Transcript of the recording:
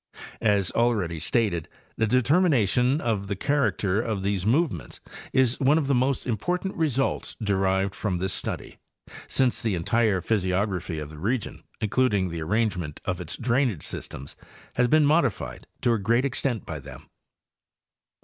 As already stated, the determination of the character of these movements is one of the most important results derived from this study, since the en tire physiography of the region, including the arrangement of its drainage systems, has been modified to a great extent by them.